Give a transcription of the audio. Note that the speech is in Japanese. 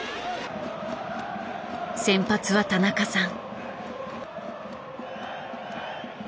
先発は田中さん。